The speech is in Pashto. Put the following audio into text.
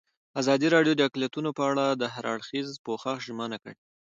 ازادي راډیو د اقلیتونه په اړه د هر اړخیز پوښښ ژمنه کړې.